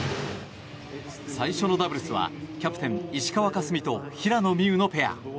最初のダブルスはキャプテン、石川佳純と平野美宇のペア。